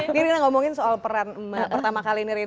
ini rina ngomongin soal peran pertama kali ini rina